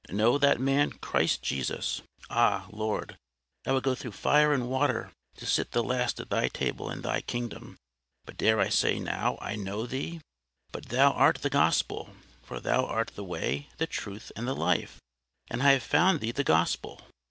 Know that man, Christ Jesus! Ah! Lord, I would go through fire and water to sit the last at Thy table in Thy kingdom; but dare I say now I KNOW Thee!—But Thou art the Gospel, for Thou art the Way, the Truth, and the Life; and I have found Thee the Gospel.